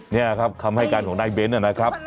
นี่ครับคำให้การของนายเบ้นนะครับ